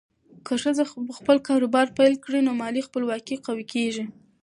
که ښځه خپل کاروبار پیل کړي، نو مالي خپلواکي قوي کېږي.